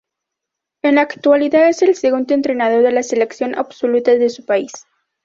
En la actualidad es el segundo entrenador de la selección absoluta de su país.